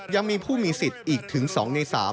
ยังมีผู้มีสิทธิ์อีกถึง๒ใน๓